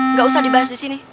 nggak usah dibahas disini